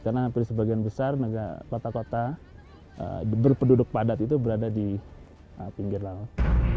karena hampir sebagian besar negara kota kota berpenduduk padat itu berada di pinggir laut